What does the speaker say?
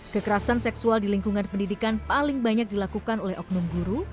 kekerasan seksual di lingkungan pendidikan paling banyak dilakukan oleh oknum guru